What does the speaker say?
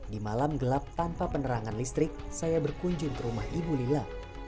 di malam gelap tanpa penerangan listrik saya berkunjung ke rumah ibu lila